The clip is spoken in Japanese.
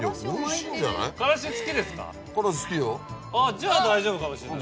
じゃあ大丈夫かもしれない。